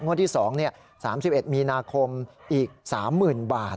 งวดที่๒๓๑มีนาคมอีก๓๐๐๐บาท